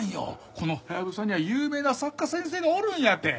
このハヤブサには有名な作家先生がおるんやて。